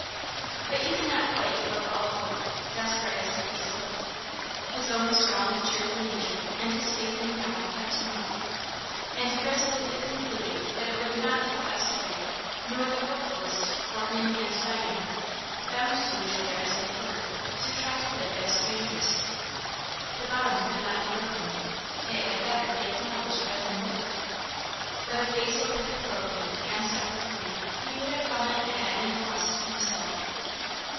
But he did not quite give up all hope, desperate as the case looked; his own strong cheerful nature and his faith in God kept him up. And he resolutely concluded that it would not be the best way nor the hopefulest, for him and Diana, bound to each other as they were, to try to live as strangers. The bond could not be broken; it had better be acknowledged by them both. But if Basil could have broken it and set her free, he would have done it at any cost to himself.